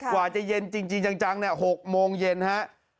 กว่าจะเย็นจริงจัง๖โมงเย็นฮะ